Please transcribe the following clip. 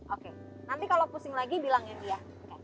oke nanti kalau pusing lagi bilangin dia